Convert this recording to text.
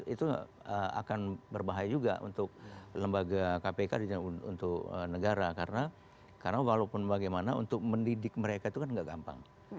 itu akan berbahaya juga untuk lembaga kpk untuk negara karena walaupun bagaimana untuk mendidik mereka itu kan tidak gampang